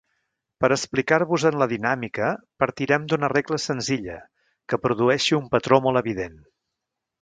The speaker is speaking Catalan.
Per explicar-vos-en la dinàmica partirem d'una regla senzilla, que produeixi un patró molt evident.